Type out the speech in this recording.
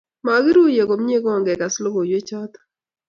Mokiruiye komie kingekas logoiwechoto